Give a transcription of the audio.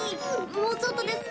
もうちょっとです。